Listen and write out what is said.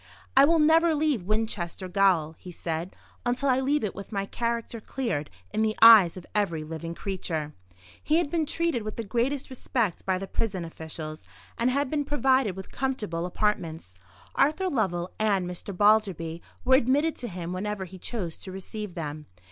"I will never leave Winchester Gaol," he said, "until I leave it with my character cleared in the eyes of every living creature." He had been treated with the greatest respect by the prison officials, and had been provided with comfortable apartments. Arthur Lovell and Mr. Balderby were admitted to him whenever he chose to receive them.